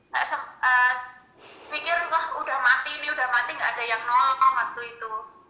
terus mikirlah udah mati ini udah mati gak ada yang nolong waktu itu